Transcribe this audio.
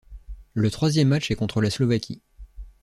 Le troisième match est contre la Slovaquie.